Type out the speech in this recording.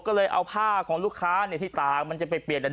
ก็เลยเอาผ้าของลูกค้าที่ตากมันจะไปเปลี่ยน